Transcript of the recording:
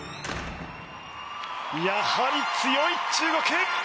やはり強い中国！